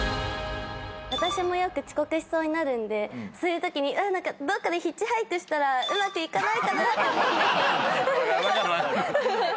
私もよく遅刻しそうになるんでそういうときにどっかでヒッチハイクしたらうまくいかないかなって思うんですけど。